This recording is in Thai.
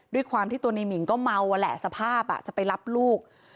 ด้วยความที่ตัวในหมิ่งก็เมาแหละสภาพจะไปรับลูก